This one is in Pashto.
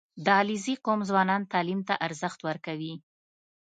• د علیزي قوم ځوانان تعلیم ته ارزښت ورکوي.